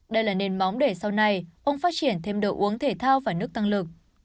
đây là nền móng để sau này ông phát triển thêm đồ uống thể thao và nước tăng lực